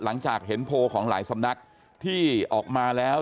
หลังจากเห็นโพลของหลายสำนักที่ออกมาแล้ว